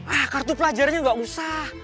ah kartu pelajarnya gak usah